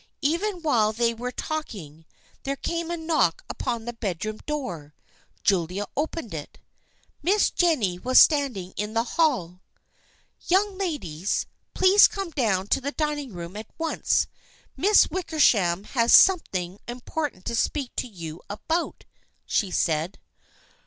Even while they were talking there came a knock upon the bedroom door. Julia opened it. Miss Jennie was standing in the hall. " Young ladies, please come down to the dining room at once. Miss Wickersham has something important to speak to you about," she said.